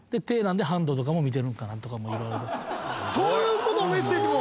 そういうメッセージも？